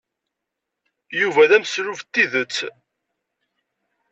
Yuba d ameslub n tidet.